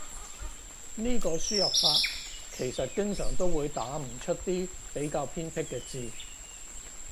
呢個輸入法其實經常都會打唔出啲比較偏僻嘅字